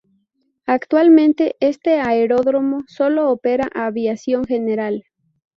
Actualmente este aeródromo solo opera aviación general.